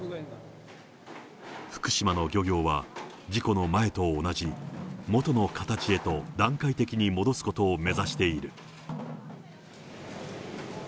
福島の漁業は、事故の前と同じ元の形へと段階的に戻すことを目指している。